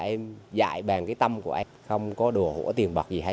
em dạy bàn cái tâm của em không có đùa hũa tiền bật gì hết